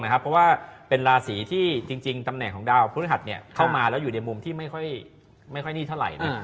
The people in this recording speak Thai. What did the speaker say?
เพราะว่าเป็นราศีที่จริงตำแหน่งของดาวพฤหัสเข้ามาแล้วอยู่ในมุมที่ไม่ค่อยนี่เท่าไหร่นะ